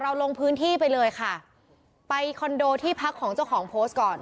ลงพื้นที่ไปเลยค่ะไปคอนโดที่พักของเจ้าของโพสต์ก่อน